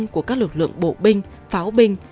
của các lực lượng bộ binh pháo binh